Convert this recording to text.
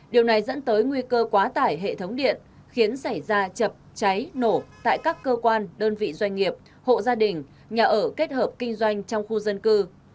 điều này dẫn tới nguy cơ quá tải hệ thống điện khiến xảy ra chập cháy nổ tại các cơ quan đơn vị doanh nghiệp hộ gia đình nhà ở kết hợp kinh doanh trong khu dân cư